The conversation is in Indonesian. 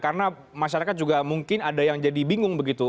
karena masyarakat juga mungkin ada yang jadi bingung begitu